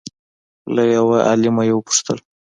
له یو عالمه یې وپوښتل